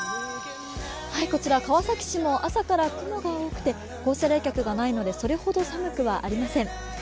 こちら川崎市も朝から雲が多くて放射冷却がないので、それほど寒くはありません。